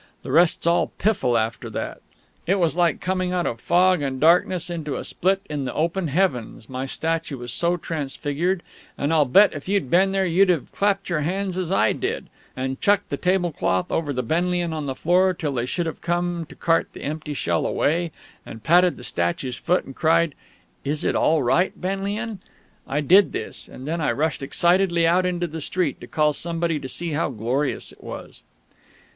The rest's all piffle after that. It was like coming out of fog and darkness into a split in the open heavens, my statue was so transfigured; and I'll bet if you'd been there you'd have clapped your hands, as I did, and chucked the tablecloth over the Benlian on the floor till they should come to cart that empty shell away, and patted the statue's foot and cried: "Is it all right, Benlian?" I did this; and then I rushed excitedly out into the street, to call somebody to see how glorious it was....